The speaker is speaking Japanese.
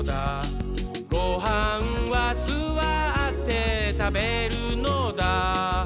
「ごはんはすわってたべるのだ」